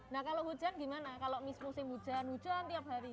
nah kalau hujan gimana kalau musim hujan hujan tiap hari